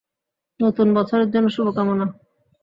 নতুন বছরের জন্য শুভ কামনা।